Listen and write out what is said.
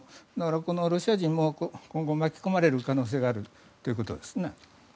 このロシア人も今後巻き込まれる可能性があるということですね。